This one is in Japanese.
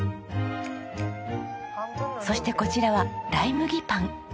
そしてこちらはライ麦パン。